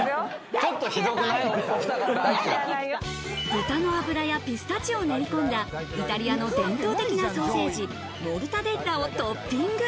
豚の脂やピスタチオを練り込んだイタリアの伝統的なソーセージ、モルタデッラをトッピング。